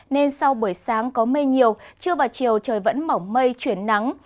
nên sau buổi sáng có mây nhiều trưa và chiều trời vẫn mỏng mây chuyển nắng